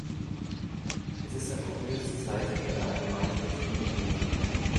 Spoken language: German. Es ist ein ominöses Zeichen, mit einer allgemein schlechten Prognose.